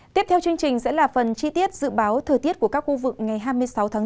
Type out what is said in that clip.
tiếp theo chương trình sẽ là phần chi tiết dự báo thời tiết của các khu vực ngày hai mươi sáu tháng bốn